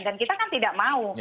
dan kita kan tidak mau